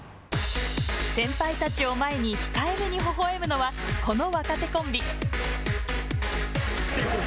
先輩たちを前に控えめにほほ笑むのはこの若手コンビ。